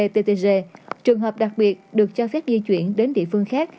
ttg trường hợp đặc biệt được cho phép di chuyển đến địa phương khác